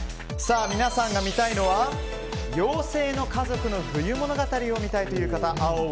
皆さんが見たいのは「妖精の家族の冬の物語」を見たいという方は青を。